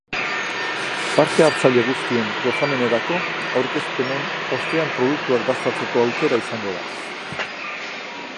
Parte hartzaile guztien gozamenerako aurkezpenen ostean produktuak dastatzeko aukera izango da.